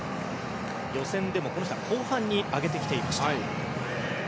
予選でも後半に上げてきていました。